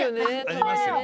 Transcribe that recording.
ありますよね。